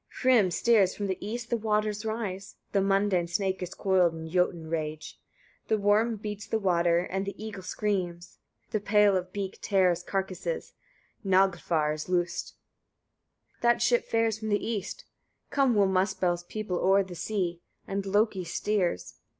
49. Hrym steers from the east, the waters rise, the mundane snake is coiled in jötun rage. The worm beats the water, and the eagle screams: the pale of beak tears carcases; Naglfar is loosed. 50. That ship fares from the east: come will Muspell's people o'er the sea, and Loki steers.